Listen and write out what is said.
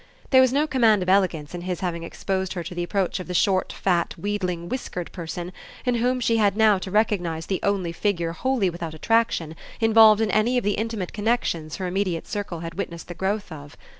There was no command of elegance in his having exposed her to the approach of the short fat wheedling whiskered person in whom she had now to recognise the only figure wholly without attraction involved in any of the intimate connexions her immediate circle had witnessed the growth of.